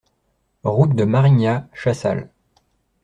Route de Marignat, Chassal